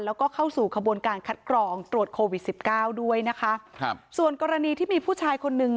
แล้วก็เข้าสู่กระโบนการกัดกรองตรวจโควิด๑๙ด้วยนะคะส่วนกรณีที่มีผู้ชายคนนึงค่ะ